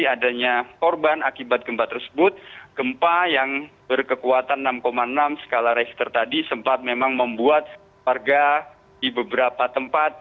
adanya korban akibat gempa tersebut gempa yang berkekuatan enam enam skala richter tadi sempat memang membuat warga di beberapa tempat